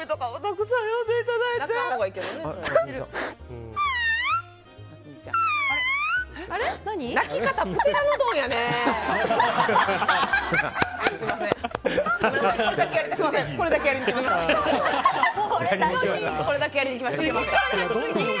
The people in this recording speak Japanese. これだけやりに来ました。